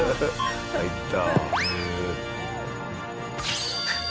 入った。